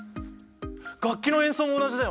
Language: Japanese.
楽器の演奏も同じだよね！